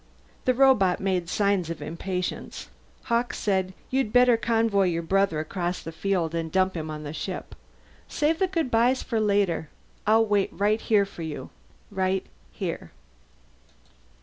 The robot made signs of impatience. Hawkes said, "You'd better convoy your brother across the field and dump him on his ship. Save the goodbyes for later. I'll wait right here for you. Right here."